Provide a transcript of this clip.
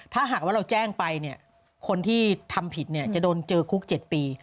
ถ้าหากว่าเราแจ้งไปเนี่ยคนที่ทำผิดจะโดนเจอคุก๗ปี